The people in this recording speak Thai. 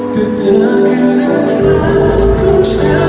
เพราะเธอแค่น้ำฟ้าของฉัน